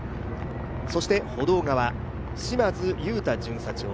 そして歩道側、志満津勇太巡査長。